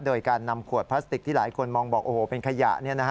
โดยการนำขวดพลาสติกที่หลายคนมองบอกโอ้โหเป็นขยะ